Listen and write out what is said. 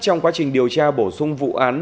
trong quá trình điều tra bổ sung vụ án